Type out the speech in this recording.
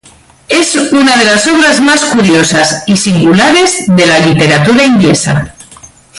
Es una de las obras más curiosas y singulares de la literatura inglesa.